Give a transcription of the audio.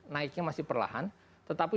naiknya masih perlahan tetapi